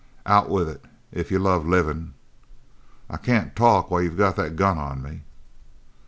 "Out with it, if you love livin'!" "I I can't talk while you got that gun on me!"